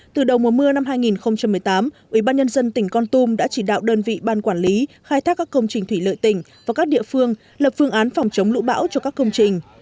từ đầu mùa mưa năm hai nghìn một mươi tám ubnd tỉnh con tum đã chỉ đạo đơn vị ban quản lý khai thác các công trình thủy lợi tỉnh và các địa phương lập phương án phòng chống lũ bão cho các công trình